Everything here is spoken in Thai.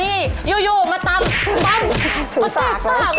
นี่แหละว่า